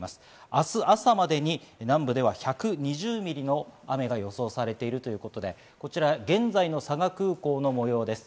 明日朝までに南部では１２０ミリの雨が予想されているということで、現在の佐賀空港の模様です。